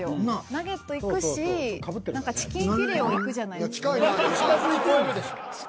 ナゲットいくしチキンフィレオいくじゃないですか。